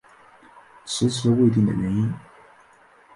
迟迟未定的原因